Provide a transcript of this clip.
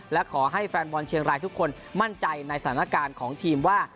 และขอให้แฟนบอลเชียงรายทุกคนมั่นใจในสถานการณ์ของทีมว่า